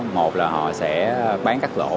một là họ sẽ bán cắt lỗ